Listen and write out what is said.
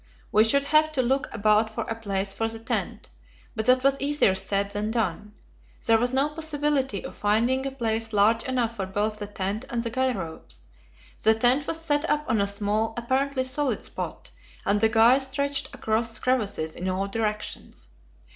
We should have to look about for a place for the tent, but that was easier said than done. There was no possibility of finding a place large enough for both the tent and the guy ropes; the tent was set up on a small, apparently solid spot, and the guys stretched across crevasses in all directions.